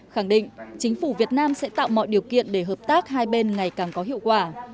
khẳng định chính phủ việt nam sẽ tạo mọi điều kiện để hợp tác hai bên ngày càng có hiệu quả